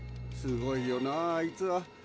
すごいよなあいつは。